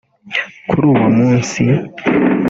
Kuri uwo munsi